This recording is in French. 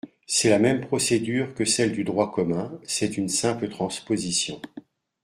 C’est la même procédure que celle du droit commun : c’est une simple transposition.